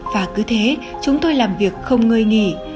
và cứ thế chúng tôi làm việc không ngơi nghỉ